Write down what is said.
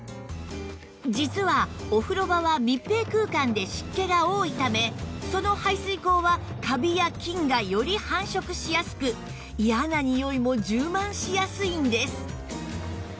実はお風呂場は密閉空間で湿気が多いためその排水口はカビや菌がより繁殖しやすく嫌なにおいも充満しやすいんです